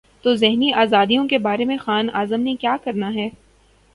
تو ذہنی آزادیوں کے بارے میں خان اعظم نے کیا کرنا ہے۔